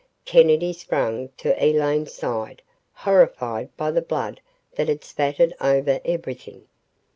Kennedy sprang to Elaine's side, horrified by the blood that had spattered over everything.